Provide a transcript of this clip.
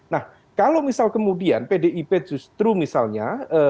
nah kalau misal kemudian pdi perjuangan justru misalnya